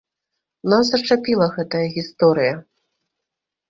Нас зачапіла гэтая гісторыя.